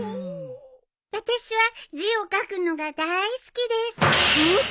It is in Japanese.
私は字を書くのが大好きです。